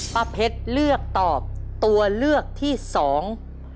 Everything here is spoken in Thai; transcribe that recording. ป้าเพชรเลือกตอบตัวเลือกที่สอง